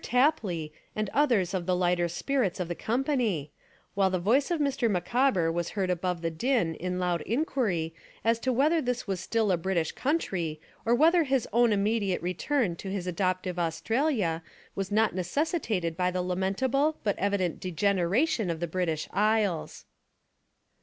Tap ley, and others of the lighter spirits of the com pany, while the voice of Mr. MIcawber was heard above the din In loud enquiry as to whether this was still a British country or whether his own immediate return to his adop tive Australia was not necessitated by the la mentable but evident degeneration of the Brit ish Isles.